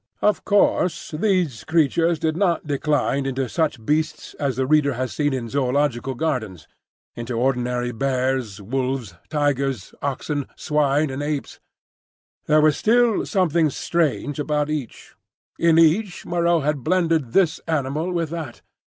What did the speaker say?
Of course these creatures did not decline into such beasts as the reader has seen in zoological gardens,—into ordinary bears, wolves, tigers, oxen, swine, and apes. There was still something strange about each; in each Moreau had blended this animal with that.